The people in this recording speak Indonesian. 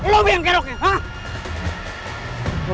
lo yang keroknya